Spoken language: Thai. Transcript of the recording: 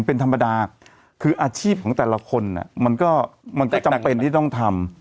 เป็นธรรมดาคืออาชีพของแต่ละคนมันก็มันก็จำเป็นที่ต้องทำ